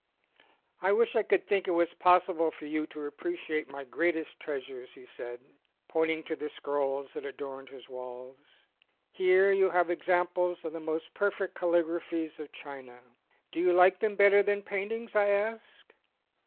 "I wish I could think it was possible for you to appreciate my greatest treasures," he said, pointing to the scrolls that adorned his walls. "Here you have examples of the most perfect calligraphies of China." "Do you like them better than paintings?" I asked.